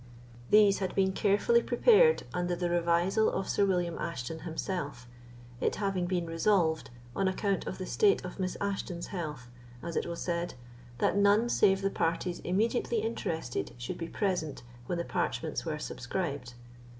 These had been carefully prepared under the revisal of Sir William Ashton himself, it having been resolved, on account of the state of Miss Ashton's health, as it was said, that none save the parties immediately interested should be present when the parchments were subscribed.